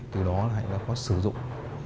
từ đó hạnh đã có sử dụng